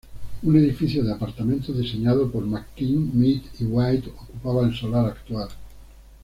Un edificio de apartamentos diseñado por McKim, Mead y White ocupaba el solar actual.